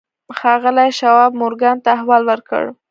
ښاغلي شواب مورګان ته احوال ورکړ.